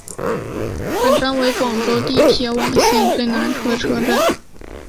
本站为广州地铁线网位处最南的车站。